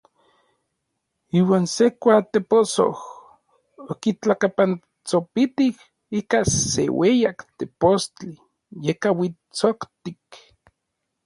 Iuan se kuatepossoj okitlakapantsopitij ika se ueyak tepostli yekauitsoktik.